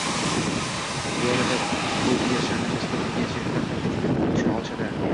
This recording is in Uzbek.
Bu orada bu birjani tashkil qilgan sheriklar ham o'z ulushini olishadi